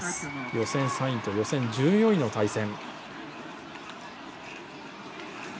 予選３位と予選１４位の対戦。